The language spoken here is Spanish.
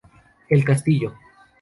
El castillo